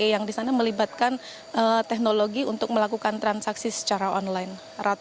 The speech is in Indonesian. yang di sana melibatkan teknologi untuk melakukan transaksi secara online